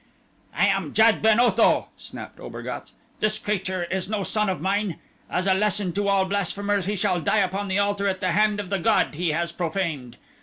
"I am Jad ben Otho," snapped Obergatz. "This creature is no son of mine. As a lesson to all blasphemers he shall die upon the altar at the hand of the god he has profaned.